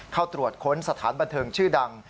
เข้าตรวจค้นสถานบันเทิงชื่อดัง